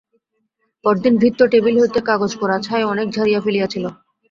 পরদিন ভৃত্য টেবিল হইতে কাগজপোড়া ছাই অনেক ঝাড়িয়া ফেলিয়াছিল।